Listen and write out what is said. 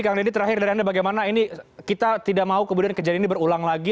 kang deddy terakhir dari anda bagaimana ini kita tidak mau kemudian kejadian ini berulang lagi